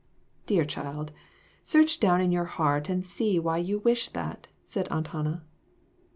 "Dear child, search down in your heart and see why you wish that," said Aunt Hannah.